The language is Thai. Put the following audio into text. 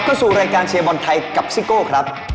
เข้าสู่รายการเชียร์บอลไทยกับซิโก้ครับ